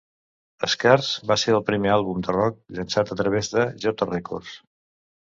"Scars" va ser el primer àlbum de rock llançat a través de J records.